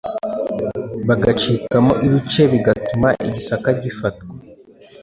bagacikamo ibice bigatuma i Gisaka gifatwa ,